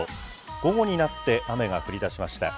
午後になって雨が降りだしました。